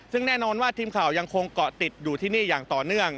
ซึ่งแน่นอนว่าทีมข่าวยังคงเกาะติดอยู่ที่นี่อย่างต่อเนื่อง